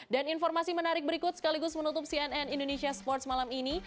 dan informasi menarik berikut sekaligus menutup cnn indonesia sport malam ini